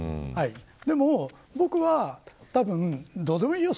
でも、僕はどうでもいいよ